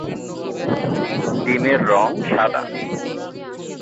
ডিমের রং সাদা।